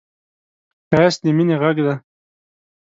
ښایست د مینې غږ دی